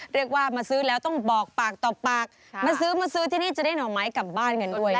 เรียกว่ามาซื้อแล้วต้องบอกปากต่อปากมาซื้อมาซื้อที่นี่จะได้หน่อไม้กลับบ้านกันด้วยนะคะ